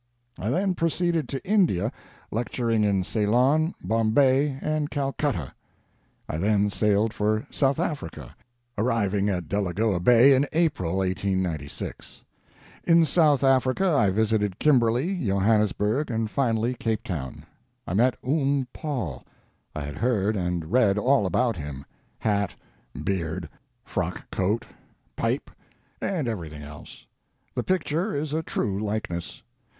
"I then proceeded to India, lecturing in Ceylon, Bombay, and Calcutta. I then sailed for South Africa, arriving at Delagoa Bay in April, 1896. In South Africa I visited Kimberley, Johannesburg, and finally Cape Town. I met Oom Paul. I had heard and read all about him hat, beard, frock coat, pipe, and everything else. The picture is a true likeness.